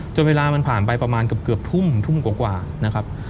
จนเวลามันผ่านไปประมาณเกือบทุ่มทุ่มกว่ากว่านะครับ